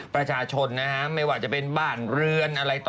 ประชาชนนะฮะไม่ว่าจะเป็นบ้านเรือนอะไรต่อ